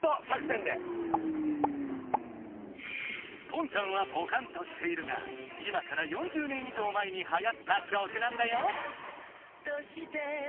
ポンちゃんはポカンとしているが今から４０年以上前にはやった曲なんだよ。